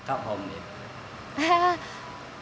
ああ！